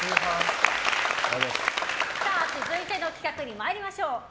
続いての企画に参りましょう。